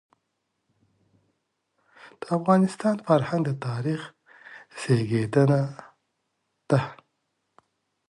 د افغانستان فرهنګ د تاریخ زېږنده دی.